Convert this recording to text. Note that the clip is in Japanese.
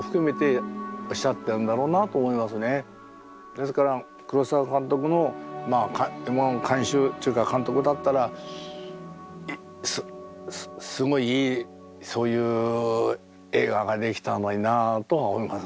ですから黒澤監督の監修というか監督だったらすごいいいそういう映画が出来たのになあとは思います。